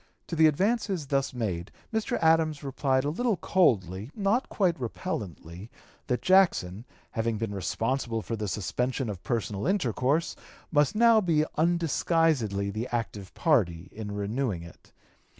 To the advances thus made Mr. Adams replied a little coldly, not quite repellently, that Jackson, having been responsible for the suspension of personal intercourse, must now be undisguisedly the active party in renewing it.